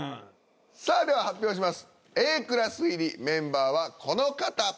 さあでは発表します。